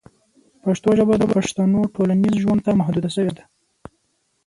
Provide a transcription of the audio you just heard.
پښتو ژبه د پښتنو ټولنیز ژوند ته محدوده شوې ده.